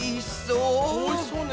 おいしそう！